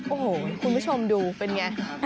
โอ้โหคุณผู้ชมดูเป็นไง